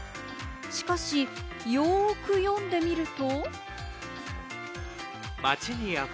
しかし、よく読んでみると。